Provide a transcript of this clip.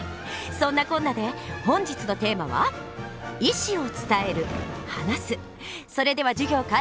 そんなこんなで本日のテーマはそれでは授業開始でございます。